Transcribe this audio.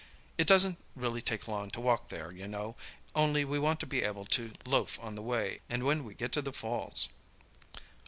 It doesn't really take long to walk there, you know, only we want to be able to loaf on the way, and when we get to the falls."